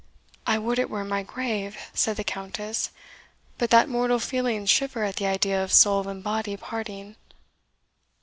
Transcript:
"I would it were in my grave," said the Countess; "but that mortal feelings shiver at the idea of soul and body parting."